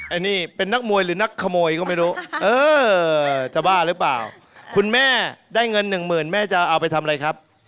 อันนี้เป็นนักมวยหรือนักขโมยก็ไม่รู้เออจะบ้าหรือเปล่าคุณแม่ได้เงินหนึ่งหมื่นแม่จะเอาไปทำอะไรครับ